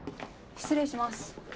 失礼します。